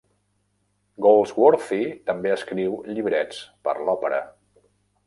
Goldsworthy també escriu llibrets per l'òpera.